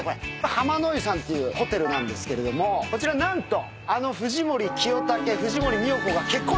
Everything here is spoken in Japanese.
浜の湯さんっていうホテルなんですけれどもこちら何とあの。